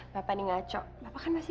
masih berharap ya